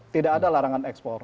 tidak ada larangan ekspor